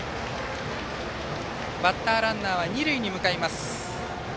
バッターランナーは二塁へ向かいます。